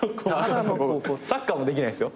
サッカーもできないんすよ。